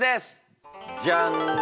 じゃん！